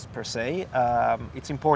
penting untuk kita